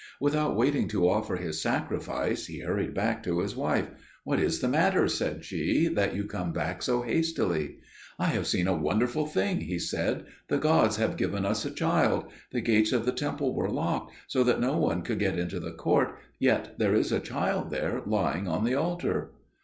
Without waiting to offer his sacrifice, he hurried back to his wife. "What is the matter," said she, "that you come back so hastily?" "I have seen a wonderful thing," he said; "the gods have given us a child. The gates of the temple were locked, so that no one could get into the court; yet there is a child there, lying on the altar!"